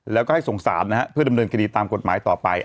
แล้วก็ให้สงสารนะฮะเพื่อดำเนินคดีตามกฎหมายต่อไป